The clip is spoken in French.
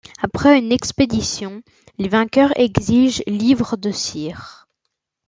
Après une expédition, les vainqueurs exigent livres de cire.